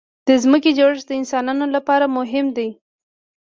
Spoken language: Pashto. د ځمکې جوړښت د انسانانو لپاره مهم دی.